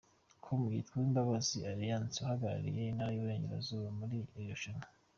com yitwa Uwimbabazi Alliance uhagarariye intara y’Uburengerazuba muri iri rushanwa.